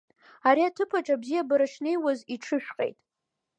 Ари аҭыԥаҿ абзиабара шнеиуаз иҽыжәҟьеит.